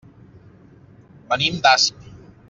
Venim d'Asp.